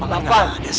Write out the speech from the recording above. kenapa kita udah kelas